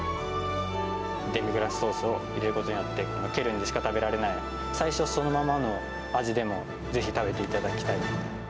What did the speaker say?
デミグラスソースを入れることによって、ケルンでしか食べられない、最初そのままの味でもぜひ食べていただきたい。